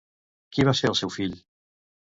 Qui va ser el seu fill?